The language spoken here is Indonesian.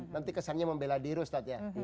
nanti kesannya membela diri